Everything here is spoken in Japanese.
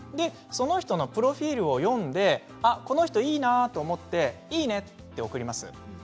その人のプロフィールを読んでこの人いいなと思ったらイイネを送ります。